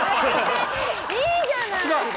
いいじゃない！